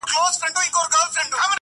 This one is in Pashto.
o رشتيا خبري يا مست کوي، يا لېونى٫